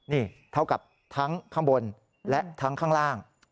นี่เท่ากับทั้งข้างบนและทั้งข้างล่าง